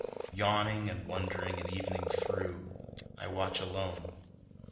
"Yawning and wondering an evening through, I watch alone...